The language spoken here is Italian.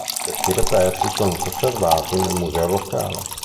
Questi reperti sono conservati nel museo locale.